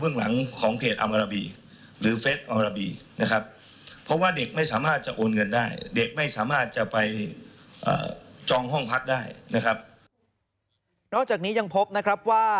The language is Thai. นอกจากนี้ยังพบว่า